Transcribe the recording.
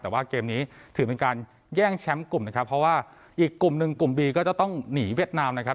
แต่ว่าเกมนี้ถือเป็นการแย่งแชมป์กลุ่มนะครับเพราะว่าอีกกลุ่มหนึ่งกลุ่มบีก็จะต้องหนีเวียดนามนะครับ